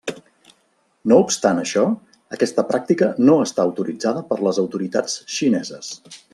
No obstant això, aquesta pràctica no està autoritzada per les autoritats xineses.